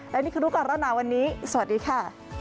และนี่คือรู้กันแล้วนะวันนี้สวัสดีค่ะ